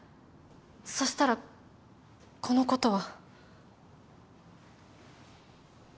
そしたらこのことは